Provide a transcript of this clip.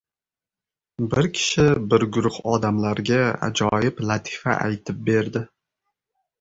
Bir kishi bir guruh odamlarga ajoyib latifa aytib berdi.